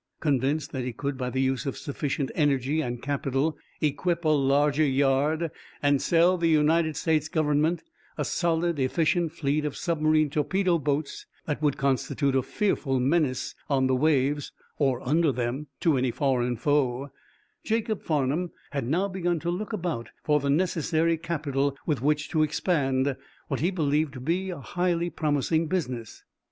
Convinced that he could, by the use of sufficient energy and capital, equip a larger yard and sell the United States Government a solid, efficient fleet of submarine torpedo boats that would constitute a fearful menace on the waves or under them to any foreign foe, Jacob Farnum had now begun to look about for the necessary capital with which to expand what he believed to be a highly promising business.